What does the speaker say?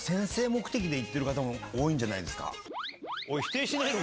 で行ってる方も多いんじゃないですか？